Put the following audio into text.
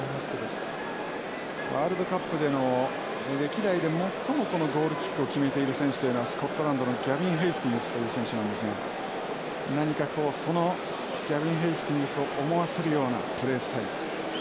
ワールドカップでの歴代で最もこのゴールキックを決めている選手というのはスコットランドのギャビンヘイスティングスという選手なんですが何かこうそのギャビンヘイスティングスを思わせるようなプレースタイル。